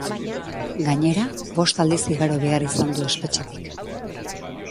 Gainera, bost aldiz igaro behar izan du espetxetik.